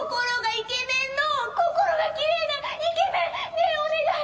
ねえお願い！